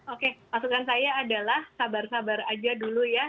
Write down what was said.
oke masukan saya adalah sabar sabar aja dulu ya